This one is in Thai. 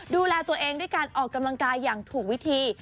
ดูแลตัวเองด้วยการออกกำลังกายอย่างถูกวิธี